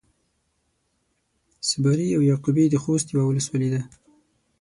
صبري او يعقوبي د خوست يوۀ ولسوالي ده.